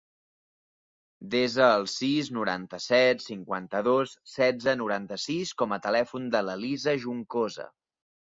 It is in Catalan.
Desa el sis, noranta-set, cinquanta-dos, setze, noranta-sis com a telèfon de l'Elisa Juncosa.